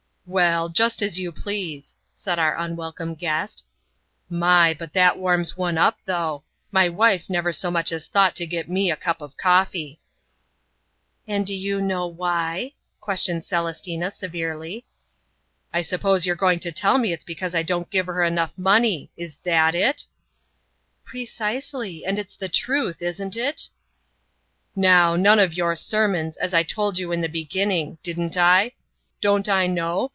"Well, just as you please," said our unwelcome guest. "My! but that warms one up though! My wife never so much as thought to get me a cup of coffee." "And do you know why?" questioned Celestina severely. "I suppose you're going to tell me it's because I don't give her enough money; is that it?" "Precisely! And that's the truth; isn't it?" "Now none of your sermons, as I told you in the beginning; didn't I? Don't I know?